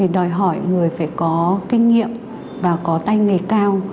đòi hỏi người phải có kinh nghiệm và có tay nghề cao